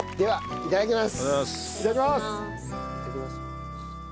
いただきます。